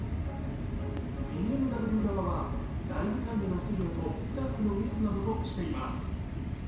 ＢＭＷ側は、内部管理の不手際とスタッフのミスなどとしています。